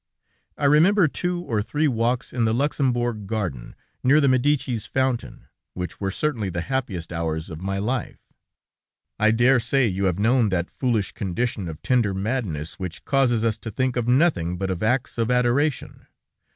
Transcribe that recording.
I remember two or three walks in the Luxembourg Garden, near the Medices fountain, which were certainly the happiest hours of my life. I dare say you have known that foolish condition of tender madness, which causes us to think of nothing but of acts of adoration!